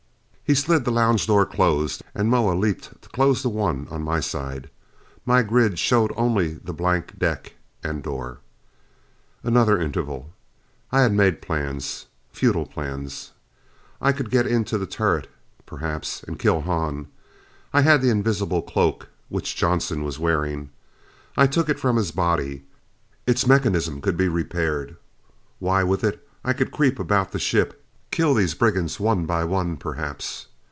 He slid the lounge door closed, and Moa leaped to close the one on my side. My grid showed only the blank deck and door. Another interval. I had made plans. Futile plans! I could get into the turret perhaps, and kill Hahn. I had the invisible cloak which Johnson was wearing. I took it from his body. Its mechanism could be repaired. Why, with it I could creep about the ship, kill these brigands one by one, perhaps.